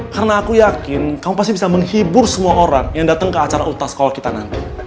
karena aku yakin kamu pasti bisa menghibur semua orang yang datang ke acara utas sekolah kita nanti